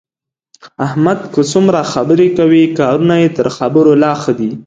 احمد که څومره خبرې کوي، کارونه یې تر خبرو لا ښه دي.